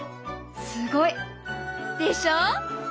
すごい！でしょ？